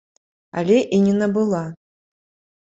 Але і не набыла.